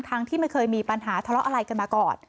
ที่ไม่เคยมีปัญหาทะเลาะอะไรกันมาก่อน